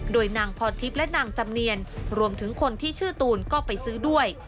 โดยนางพรทิพย์และนางจำเนียนรวมถึงคนที่ชื่อตูนก็ไปซื้อด้วย